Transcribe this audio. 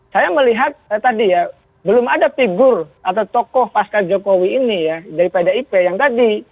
saya melihat tadi ya belum ada figur atau tokoh pasca jokowi ini ya dari pdip yang tadi